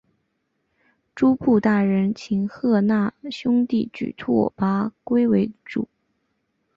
诸部大人请贺讷兄弟举拓跋圭为主。